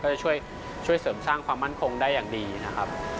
จะช่วยเสริมสร้างความมั่นคงได้อย่างดีนะครับ